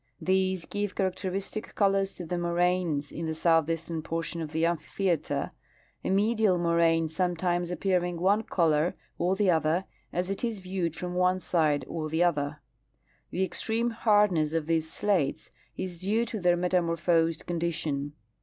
These give characteristic colors to the moraines in the southeastern portion of the amphitheater, a medial moraine sometimes appearing one color or the other as it is viewed from one side or the other. The extreme hardness of these slates is due to their metamorphosed condition.